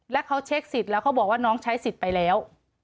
แล้วเขาเช็คสิทธิ์แล้วเขาบอกว่าน้องใช้สิทธิ์ไปแล้ว